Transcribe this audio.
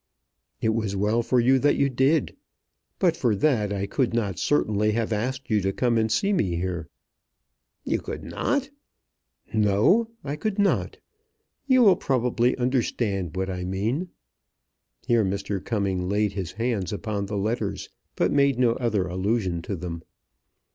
"It was well for you that you did. But for that I could not certainly have asked you to come and see me here." "You could not?" "No; I could not. You will probably understand what I mean." Here Mr. Cumming laid his hands upon the letters, but made no other allusion to them.